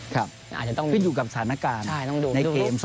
ขึ้นอยู่กับสถานการณ์ในเขม